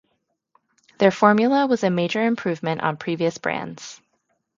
Their formula was a major improvement on previous brands.